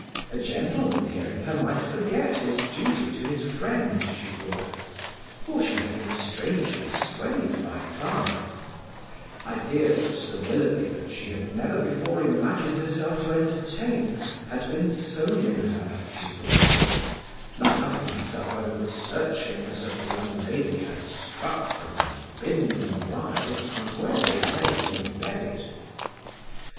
A gentleman hearing her might forget his duty to his friend, she thought, for she had been strangely swayed by Clara: ideas of Sir Willoughby that she had never before imagined herself to entertain had been sown in her, she thought; not asking herself whether the searchingness of the young lady had struck them and bidden them rise from where they lay imbedded.